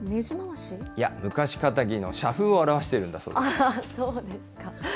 いや、昔かたぎの社風を表しそうですか。